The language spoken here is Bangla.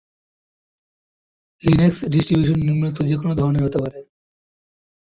লিনাক্স ডিস্ট্রিবিউশন নিম্নোক্ত যে কোন ধরনের হতে পারেঃ